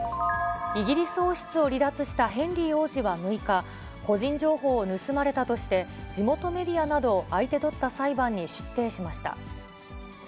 イギリス王室を離脱したヘンリー王子は６日、個人情報を盗まれたとして、地元メディアなどを相手取った裁判に出廷しました。